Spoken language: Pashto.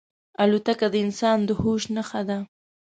الوتکه د انسان د هوش نښه ده.